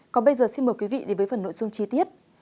còn bây giờ xin mời quý vị đến với phần nội dung chi tiết